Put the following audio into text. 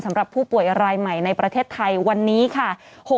สำหรับผู้ป่วยรายใหม่ในประเทศไทยวันนี้ค่ะ